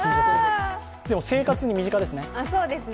でも生活に身近ですね。